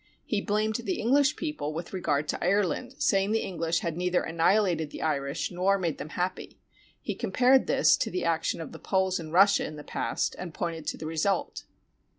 He blamed the English people with regard to Ireland, saying the English had neither annihilated the Irish nor made them happy. He com pared this to the action of the Poles in Russia in the past, and pointed to the result.